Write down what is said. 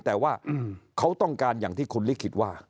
แต่ว่าเขาต้องการอย่างที่คุณลิขิตว่า